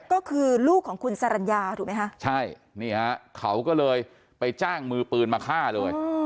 ก็คือลูกของคุณสรรญาถูกไหมคะใช่นี่ฮะเขาก็เลยไปจ้างมือปืนมาฆ่าเลย